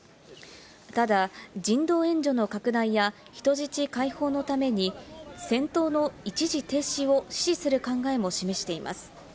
ただ、人道援助の拡大や人質解放のために戦闘の一時停止を支持する考えも示しています。